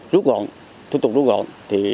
rút gọn thu tục rút gọn